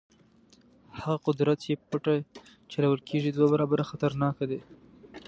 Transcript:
هغه قدرت چې په پټه چلول کېږي دوه برابره خطرناک دی.